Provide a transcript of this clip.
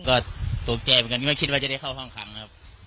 ก็ตกใจเหมือนกันไม่คิดว่าจะได้เข้าห้องขังนะครับ